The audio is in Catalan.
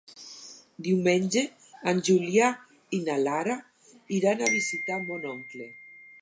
Diumenge en Julià i na Lara iran a visitar mon oncle.